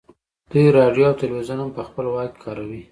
دوی راډیو او ټلویزیون هم په خپل واک کې کاروي